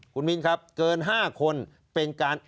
คุณวินครับเกิน๕คน